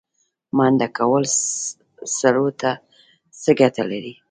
منډه کول سږو ته څه ګټه لري؟